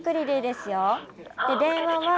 で電話は。